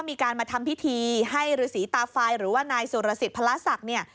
มีการมาทำพิธีให้ฤษีตาไฟหรือว่านายสุรสิทธิพระศักดิ์เนี่ย